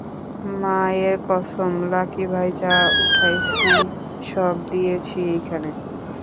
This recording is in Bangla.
মায়ের কসম, লাকি ভাই, যা উঠাইছি সব দিয়েছি এইখানে।